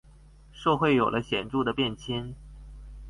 社會有了顯著的變遷